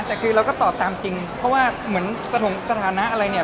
แต่คือเราก็ตอบตามจริงเพราะว่าเหมือนสถานะอะไรเนี่ย